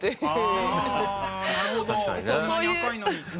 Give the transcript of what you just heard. こんなに赤いのに。